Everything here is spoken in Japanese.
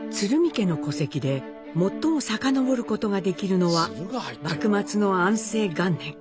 家の戸籍で最も遡ることができるのは幕末の安政元年